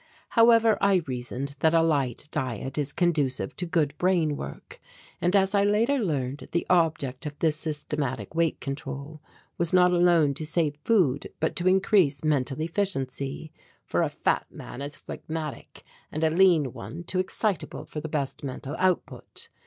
However, I reasoned that a light diet is conducive to good brain work, and as I later learned, the object of this systematic weight control was not alone to save food but to increase mental efficiency, for a fat man is phlegmatic and a lean one too excitable for the best mental output.